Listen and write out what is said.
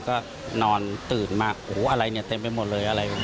ก็นอนตื่นมาอะไรเต็มไปหมดเลย